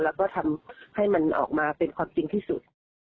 แล้วก็ทำให้มันออกมาเป็นความจริงที่สุด